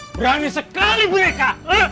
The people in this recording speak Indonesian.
berani sekali mereka